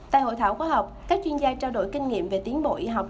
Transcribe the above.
tại hội thảo khoa học các chuyên gia trao đổi kinh nghiệm về tiến bộ y học